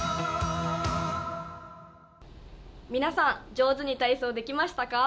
皆さん、上手に体操できましたか。